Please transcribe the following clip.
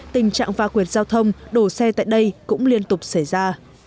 tình trạng va quyệt giao thông đổ xe tại đây cũng liên tục xảy ra